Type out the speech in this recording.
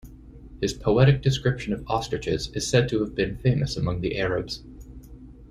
His poetic description of ostriches is said to have been famous among the Arabs.